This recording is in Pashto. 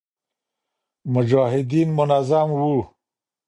مجاهدین منظم و